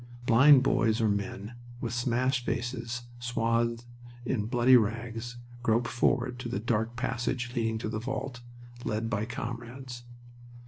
Blind boys or men with smashed faces swathed in bloody rags groped forward to the dark passage leading to the vault, led by comrades.